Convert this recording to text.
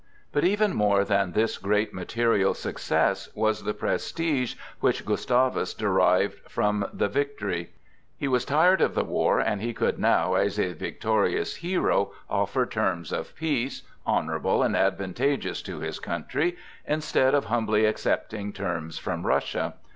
But even more than this great material success was the prestige which Gustavus derived from the victory. He was tired of the war, and he could now as a victorious hero offer terms of peace, honorable and advantageous to his country, instead of humbly accepting terms from Russia.